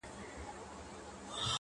دي مــــړ ســي ـ